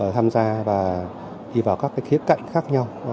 tham gia và đi vào các khía cạnh khác nhau